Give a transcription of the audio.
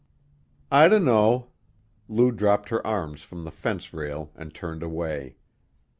"I dunno." Lou dropped her arms from the fence rail and turned away.